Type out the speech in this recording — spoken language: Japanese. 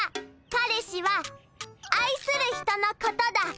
カレシはあいする人のことだ。